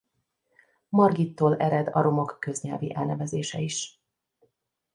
Margittól ered a romok köznyelvi elnevezése is.